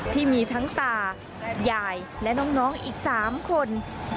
ที่มีทั้งตายายและน้องอีก๓คน